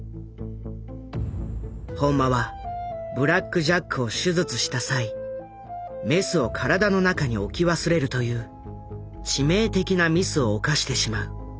本間はブラック・ジャックを手術した際メスを体の中に置き忘れるという致命的なミスを犯してしまう。